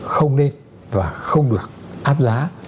không nên và không được áp giá